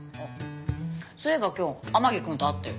そういえば今日天樹くんと会ったよ。